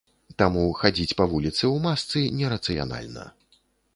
Таму хадзіць па вуліцы ў масцы не рацыянальна.